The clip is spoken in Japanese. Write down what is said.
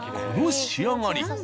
この仕上がり。